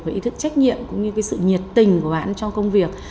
về ý thức trách nhiệm cũng như cái sự nhiệt tình của bạn trong công việc